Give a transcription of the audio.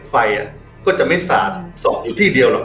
ไฟก็จะไม่สาดสอบอยู่ที่เดียวหรอก